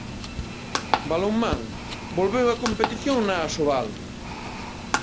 Balonmán, volveu a competición na Asobal.